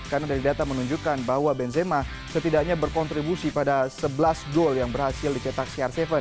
karena dari data menunjukkan bahwa benzema setidaknya berkontribusi pada sebelas gol yang berhasil dicetak cr tujuh